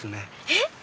えっ？